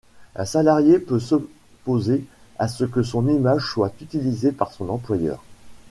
Un salarié peut s’opposer à ce que son image soit utilisée par son employeur.